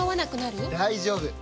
大丈夫！